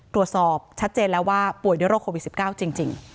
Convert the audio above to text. ตรวจสอบชัดเจนแล้วว่าป่วยด้วยโรคโควิด๑๙จริง